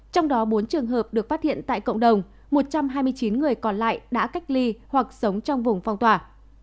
trong đó bốn trường hợp được phát hiện tại cộng đồng một trăm hai mươi chín người còn lại đã cách ly hoặc sống trong vùng phong tỏa